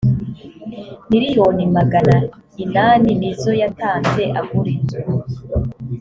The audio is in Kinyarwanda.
miriyoni magana inani nizo yatanze agura inzu